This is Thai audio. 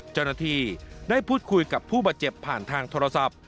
เจ้าหน้าที่ได้พูดคุยกับผู้บาดเจ็บผ่านทางโทรศัพท์